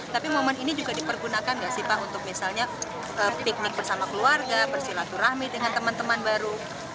tapi momen ini juga dipergunakan nggak sih pak untuk misalnya piknik bersama keluarga bersilaturahmi dengan teman teman baru